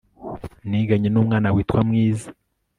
niganye nu mwana witwa mwiza